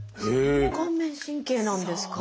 それも顔面神経なんですか！